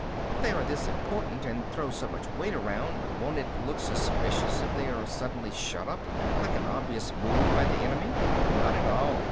"If they are this important and throw so much weight around won't it look suspicious if they are suddenly shut up. Like an obvious move by the enemy?" "Not at all.